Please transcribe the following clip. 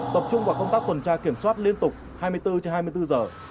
tập trung vào công tác tuần tra kiểm soát liên tục hai mươi bốn trên hai mươi bốn giờ